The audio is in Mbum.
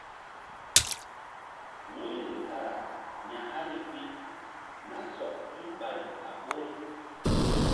Wu̧yri kara ya̧hani pi nah sɔk tul ɓay a ɓoru.